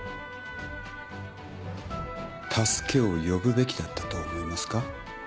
助けを呼ぶべきだったと思いますか。